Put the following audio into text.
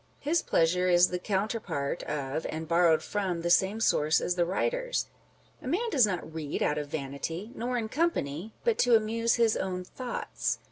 His pleasure is the counterpart of, and borrowed from the same source as the writer's. A man does not read out of vanity, nor in company, but to amuse his own thoughts.